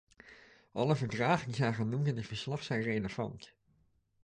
Alle verdragen die zijn genoemd in het verslag zijn relevant.